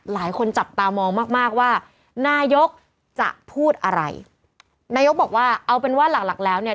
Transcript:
หลายคนจับตามองมากมากว่านายกจะพูดอะไรนายกบอกว่าเอาเป็นว่าหลักหลักแล้วเนี่ย